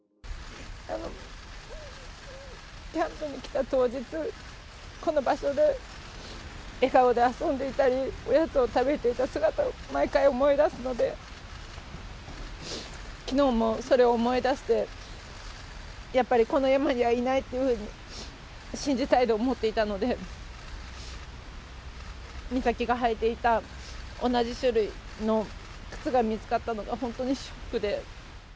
キャンプに来た当日、この場所で、笑顔で遊んでいたり、おやつを食べていた姿を毎回思い出すので、きのうもそれを思い出して、やっぱりこの山にはいないというふうに信じたいと思っていたので、美咲が履いていた同じ種類の靴が見つかったのが本当にショックで。